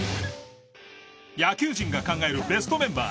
野球人が考えるベストメンバー。